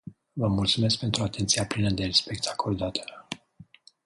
Vă mulțumesc pentru atenția plină de respect acordată.